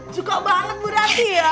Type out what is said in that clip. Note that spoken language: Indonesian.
suka banget bu ranti ya